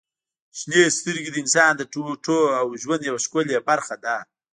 • شنې سترګې د انسان د ټوټو او ژوند یوه ښکلي برخه دي.